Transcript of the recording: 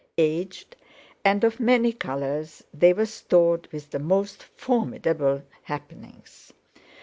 Aged, and of many colours, they were stored with the most formidable happenings.